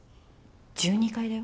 １２階だよ？